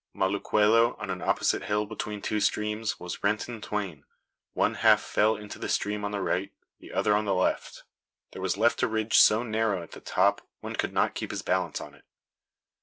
Moluquello, on an opposite hill between two streams, was rent in twain one half fell into the stream on the right, the other on the left. There was left a ridge so narrow at the top one could not keep his balance on it.